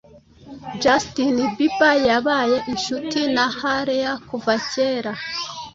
Justin Bieber yabaye inshuti na Hailey kuva cyera,